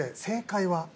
正解は？